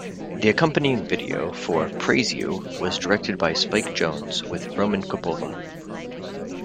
The accompanying video for "Praise You" was directed by Spike Jonze with Roman Coppola.